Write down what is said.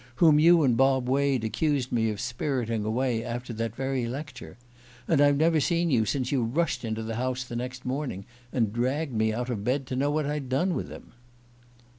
whom you and Bob Wade accused me of spiriting away after that very lecture. And I've never seen you since you rushed into the house the next morning, and dragged me out of bed to know what I'd done with him!"